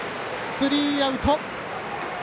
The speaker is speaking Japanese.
スリーアウト。